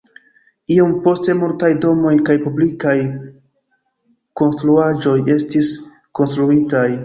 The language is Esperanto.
Iom poste multaj domoj kaj publikaj konstruaĵoj estis konstruitaj.